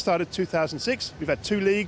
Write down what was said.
kita memiliki dua lig